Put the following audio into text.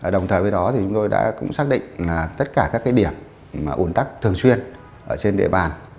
đồng thời với đó thì chúng tôi đã cũng xác định là tất cả các cái điểm mà ồn tắc thường xuyên ở trên địa bàn